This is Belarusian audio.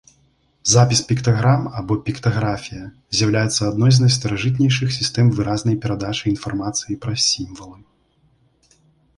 Запіс піктаграм або піктаграфія з'яўляецца адной з найстаражытнейшых сістэм выразнай перадачы інфармацыі праз сімвалы.